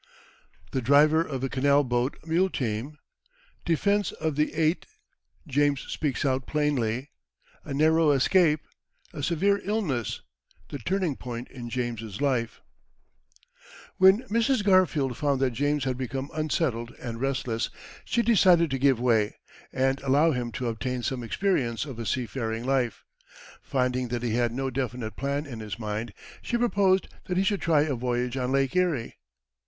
The Driver of a Canal boat Mule team Defence of the Eight James speaks out plainly A Narrow Escape A Severe Illness The Turning point in James's Life. When Mrs. Garfield found that James had become unsettled and restless, she decided to give way, and allow him to obtain some experience of a seafaring life. Finding that he had no definite plan in his mind, she proposed that he should try a voyage on Lake Erie.